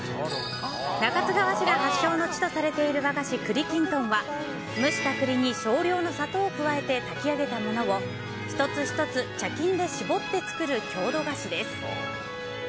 中津川市が発祥の地とされている和菓子、栗きんとんは蒸した栗に少量の砂糖を加えて炊き上げたものを、一つ一つ茶巾で絞って作る郷土菓子です。